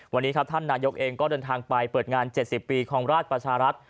วันนี้ครับท่านนายกเองก็เดินทางไปเปิดงาน๗๐ปีของราชประชารัฐ